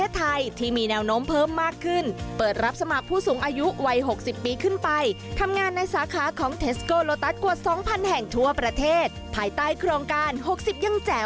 จิ๊กเกษียณแล้วนะครับ